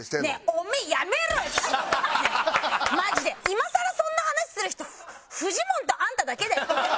今更そんな話する人フジモンとあんただけだよ。